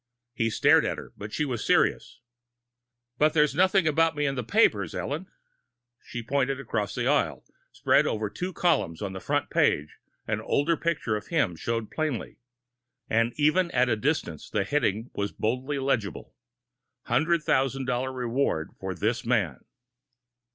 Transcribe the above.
He stared at her, but she was serious. "But there was nothing about me in the papers, Ellen." She pointed across the aisle. Spread over two columns on the front page, an older picture of him showed plainly. And even at the distance, the heading was boldly legible. $100,000 REWARD FOR THIS MAN!